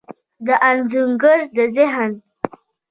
د انځورګر د ذهن،